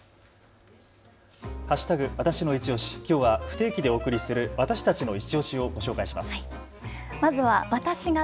わたしのいちオシ、きょうは不定期でお送りする私たちのいちオシを紹介します。